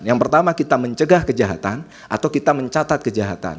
yang pertama kita mencegah kejahatan atau kita mencatat kejahatan